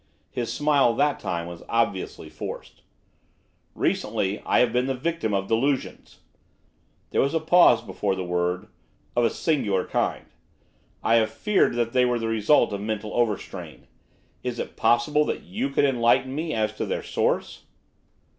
His smile, that time, was obviously forced. 'Recently I have been the victim of delusions;' there was a pause before the word, 'of a singular kind. I have feared that they were the result of mental overstrain. Is it possible that you can enlighten me as to their source?